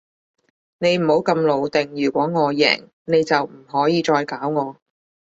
你唔好咁老定，如果我贏，你就唔可以再搞我